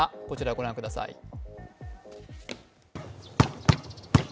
こちら御覧ください。